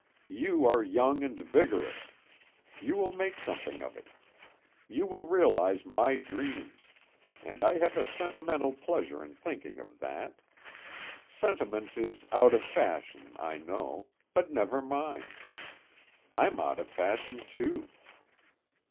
You are young and vigorous. You will make something of it. You will realize my dreams, and I have a sentimental pleasure in thinking of that. Sentiment is out of fashion, I know, but never mind. I'm out of fashion too."